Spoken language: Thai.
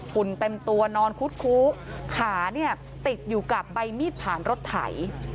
ุ่นเต็มตัวนอนคุดคู้ขาเนี่ยติดอยู่กับใบมีดผ่านรถไถ